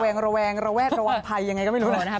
เขาดูระแวงระแวดระวังภัยยังไงก็ไม่รู้นะ